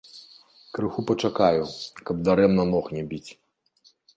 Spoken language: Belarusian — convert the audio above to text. Крыху пачакаю, каб дарэмна ног не біць.